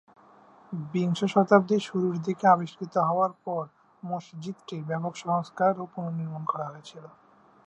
বিংশ শতাব্দীর শুরুর দিকে আবিষ্কৃত হওয়ার পর মসজিদটির ব্যাপক সংস্কার ও পুনঃনির্মাণ করা হয়েছে।